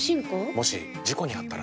もし事故にあったら？